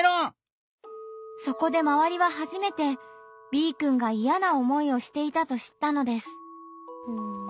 そこで周りは初めてＢくんがいやな思いをしていたと知ったのです。